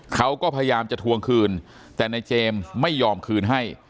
เขาก็พยายามจะทวงคืนแต่ในเจมส์ไม่ยอมคืนให้